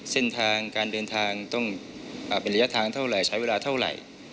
เส้นทางการเดินทางต้องเป็นระยะทางเท่าไหร่ใช้เวลาเท่าไหร่